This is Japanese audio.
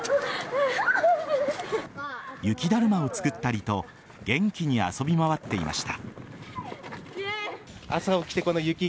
雪だるまを作ったりと元気に遊びまわっていました。